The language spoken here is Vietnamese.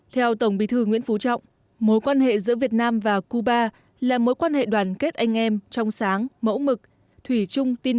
theo tổng bí thư nguyễn phú trọng mối quan hệ giữa việt nam và cuba là mối quan hệ đoàn kết anh em trong sáng mẫu mực thủy chung